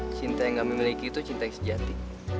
cinta yang gak memiliki itu cinta yang sejati